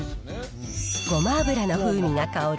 ごま油の風味が香る